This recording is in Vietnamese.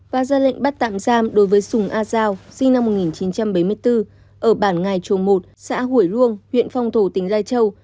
và ra lệnh bắt tạm giam đối với sùng a giao sinh năm một nghìn chín trăm bảy mươi bốn ở bản ngài chuồng một xã hủy luông huyện phong thổ tỉnh lai châu